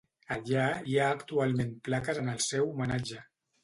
Allà hi ha actualment plaques en el seu homenatge.